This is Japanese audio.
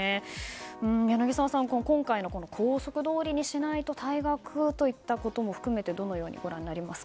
柳澤さん、今回の校則どおりにしなければ退学といったことも含めてどのようにご覧になりますか。